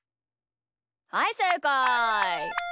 はいせいかい！